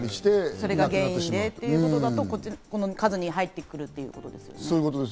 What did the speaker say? それが原因でということだと、この数に入ってくるってことですよね。